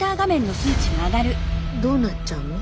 どうなっちゃうの？